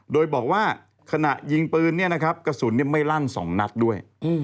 โดยบอกว่าขณะยิงปืนเนี่ยนะครับกระสุนไม่ลั่น๒นัดด้วย